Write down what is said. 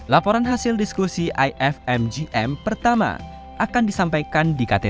laporan hasil diskusi ifmgm pertama akan disampaikan di ktt